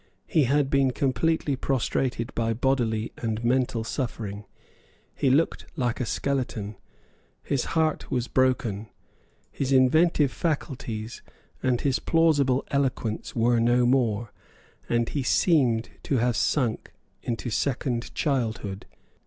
He had been completely prostrated by bodily and mental suffering. He looked like a skeleton. His heart was broken. His inventive faculties and his plausible eloquence were no more; and he seemed to have sunk into second childhood.